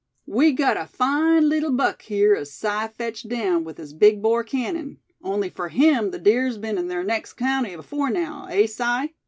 We got a fine leetle buck here as Si fetched down with his big bore cannon; only fur him the deer's been in ther next county afore now, eh, Si?"